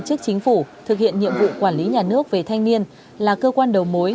chức chính phủ thực hiện nhiệm vụ quản lý nhà nước về thanh niên là cơ quan đầu mối